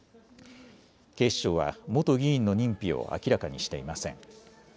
警視庁は元議員の認否を明らかにしていません。